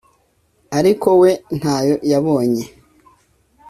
ariko we ntayo yabonye